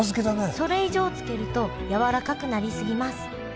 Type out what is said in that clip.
それ以上漬けるとやわらかくなり過ぎます。